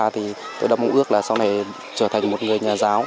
thì tôi đã mong ước là sau này trở thành một người nhà giáo